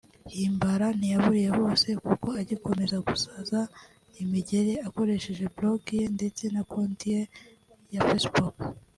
Himbara ntiyaburiye hose kuko agikomeza gusaza imigeri akoresheje blog ye ndetse na konti ye ya Facebook